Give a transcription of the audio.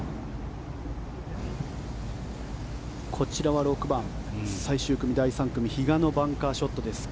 こちらは６番、最終組、第３組比嘉のバンカーショットです。